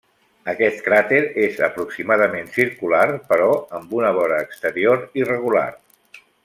Aquest cràter és aproximadament circular però amb una vora exterior irregular.